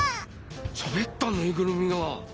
しゃべったぬいぐるみがほう。